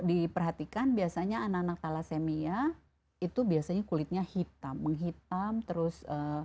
diperhatikan biasanya anak anak thalassemia itu biasanya kulitnya hitam menghitam terus